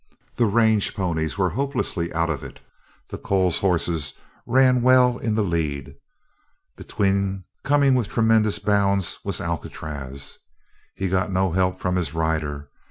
The range ponies were hopelessly out of it. The Coles horses ran well in the lead. Between, coming with tremendous bounds, was Alcatraz. He got no help from his rider.